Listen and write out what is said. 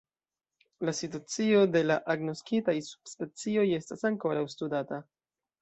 La situacio de la agnoskitaj subspecioj estas ankoraŭ studata.